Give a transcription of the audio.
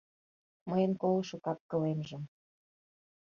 Мыйын колышо кап-кылемжым